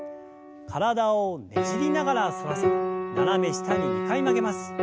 体をねじりながら反らせ斜め下に２回曲げます。